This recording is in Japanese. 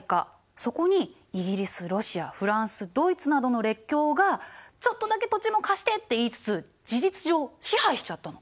そこにイギリスロシアフランスドイツなどの列強が「ちょっとだけ土地も貸して！」って言いつつ事実上支配しちゃったの。